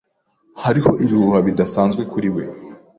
Hariho ibihuha bidasanzwe kuri we